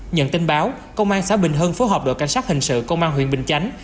nhận tin báo công an xã bình hân phối hợp đội cảnh sát hình sự công an huyện bình chánh